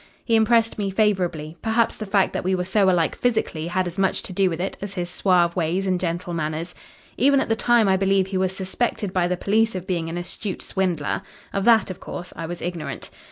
He impressed me favourably perhaps the fact that we were so alike physically had as much to do with it as his suave ways and gentle manners. Even at the time I believe he was suspected by the police of being an astute swindler. Of that, of course, I was ignorant.